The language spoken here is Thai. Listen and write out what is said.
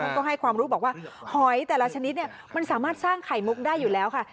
ก็ให้ความรู้บอกว่าหอยแต่ละชนิดมันสามารถสร้างไข่มุกได้อยู่แล้วค่ะ